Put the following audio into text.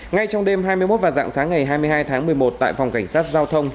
ngay trong đêm hai mươi một và dạng sáng ngày hai mươi hai tháng một mươi một tại phòng cảnh sát giao thông